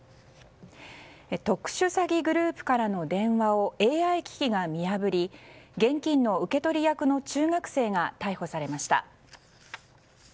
特殊詐欺グループからの電話をＡＩ機器が見破り現金の受け取り役の中学生が逮捕されました。